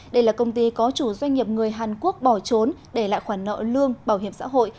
đây là công ty có chủ doanh nghiệp người hàn quốc bỏ trốn để lại khoản nợ lương bảo hiểm xã hội